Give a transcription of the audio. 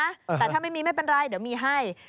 แต่ถ้าไม่มีไม่เป็นไรเดี๋ยวมีให้